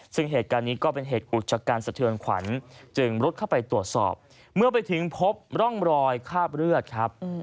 ซึ่งเหตุการณ์นี้ก็เป็นเหตุอุจการสะเทือนขวัญจึงรุดเข้าไปตรวจสอบเมื่อไปถึงพบร่องรอยคาบเลือดครับ